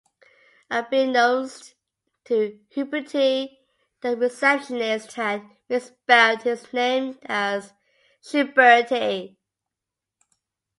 Unbeknownst to Huberty, the receptionist had misspelled his name as "Shouberty".